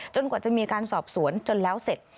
กว่าจะมีการสอบสวนจนแล้วเสร็จ